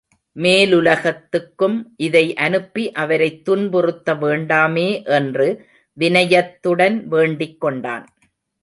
மேலுலகத்துக்கும் இதை அனுப்பி அவரைத் துன்புறுத்த வேண்டமே என்று வினயத்துடன் வேண்டிக் கொண்டான்.